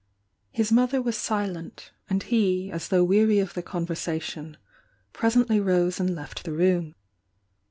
His mother was silent, and he, as though weary of the conversation, presently rose and left the room.